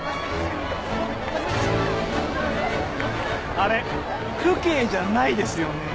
あれ父兄じゃないですよね？